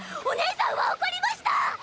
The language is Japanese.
お姉さんは怒りました！